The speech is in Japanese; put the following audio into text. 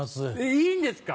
いいんですか？